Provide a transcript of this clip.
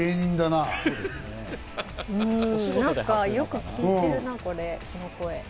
なんかよく聞いてるなぁ、この声。